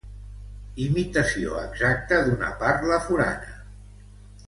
Imitació exacta d'una parla forana.